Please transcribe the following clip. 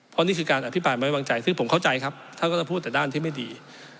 เพราะนี่คือการอภิปรายไม่วางใจซึ่งผมเข้าใจครับท่านก็จะพูดแต่ด้านที่ไม่ดี